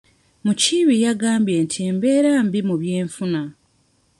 Mukiibi yangambye nti embeera mbi mu byenfuna.